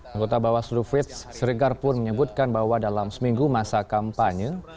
anggota bawaslu frits seregar pun menyebutkan bahwa dalam seminggu masa kampanye